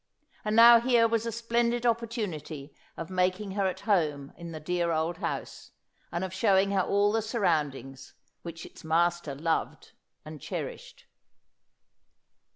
And now here was a splendid opportunity of making her at home in the dear old house, and of showing her all the surroundings which its master loved and cherished.